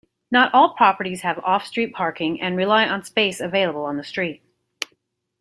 Not all properties have off-street parking and rely on space available on the street.